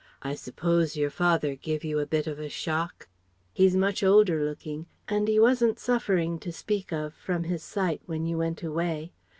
I suppose your father giv' you a bit of a shock? He's much older looking; and he wassn't suffering, to speak of, from his sight when you went away.